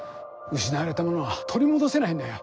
失われたものは取り戻せないんだよ。